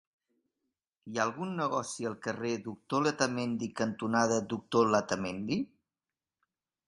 Hi ha algun negoci al carrer Doctor Letamendi cantonada Doctor Letamendi?